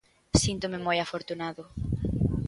Síntome moi afortunado.